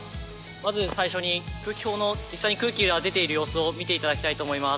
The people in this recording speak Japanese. まず最初に空気砲の実際に空気が出ている様子を見て頂きたいと思います。